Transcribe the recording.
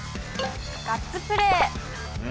ガッツプレー。